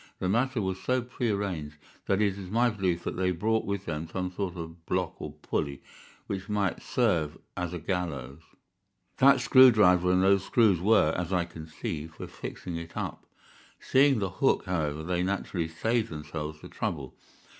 The matter was so prearranged that it is my belief that they brought with them some sort of block or pulley which might serve as a gallows. That screw driver and those screws were, as I conceive, for fixing it up. Seeing the hook, however they naturally saved themselves the trouble.